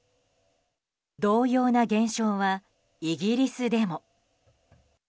同様な現象はイギリスでも。